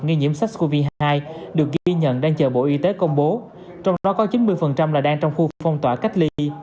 nghi nhiễm sars cov hai được ghi nhận đang chờ bộ y tế công bố trong đó có chín mươi là đang trong khu phong tỏa cách ly